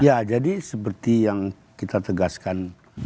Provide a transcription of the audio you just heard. ya jadi seperti yang kita tegaskan